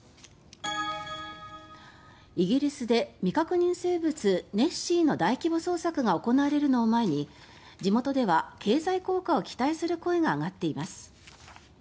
イギリスで未確認生物ネッシーの大規模捜索が行われるのを前に、地元では経済効果を期待する声が上がっています。